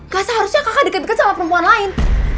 kak seharusnya kakak deket deket sama perempuan lain